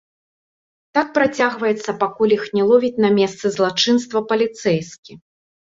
Так працягваецца, пакуль іх не ловіць на месцы злачынства паліцэйскі.